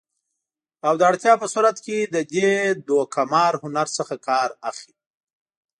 او د اړتیا په صورت کې د دې دوکه مار هنر څخه کار اخلي